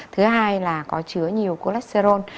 thứ hai là có chứa nhiều cholesterol